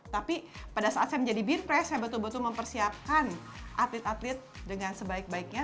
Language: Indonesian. tapi pada saat saya menjadi bin press saya betul betul mempersiapkan atlet atlet dengan sebaik baiknya